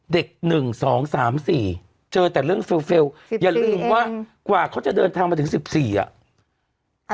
เด็ก๑๒๓๔เจอแต่เรื่องเฟลล์อย่าลืมว่ากว่าเขาจะเดินทางมาถึง๑๔อ่ะ